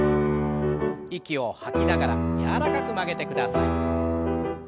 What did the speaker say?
息を吐きながら柔らかく曲げてください。